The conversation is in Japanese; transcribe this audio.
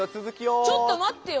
ちょっとまってよ！